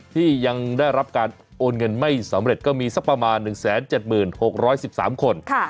ที่ยังได้รับการโอนเงินไม่สำเร็จก็มีสักประมาณ๑๗๖๑๓คน